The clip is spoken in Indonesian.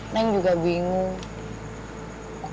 neng juga bingung